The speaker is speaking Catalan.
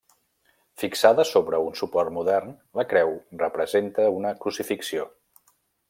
Fixada sobre un suport modern, la creu representa una crucifixió.